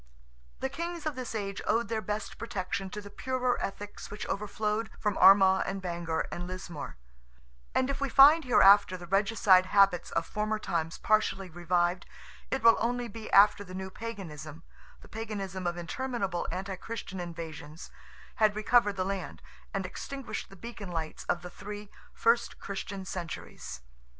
The kings of this age owed their best protection to the purer ethics which overflowed from Armagh and Bangor and Lismore; and if we find hereafter the regicide habits of former times partially revived, it will only be after the new Paganism—the Paganism of interminable anti Christian invasions—had recovered the land, and extinguished the beacon lights of the three first Christian centuries.